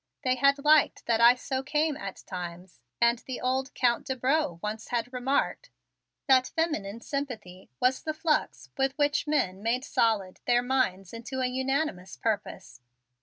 They had liked that I so came at times, and the old Count de Breaux once had remarked that feminine sympathy was the flux with which men made solid their minds into a unanimous purpose.